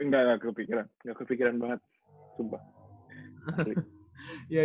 enggak gak kepikiran gak kepikiran banget sumpah